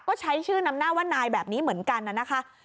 ก็ใช้ชื่อนำหน้าว่านายแบบนี้เหมือนกันนะคะ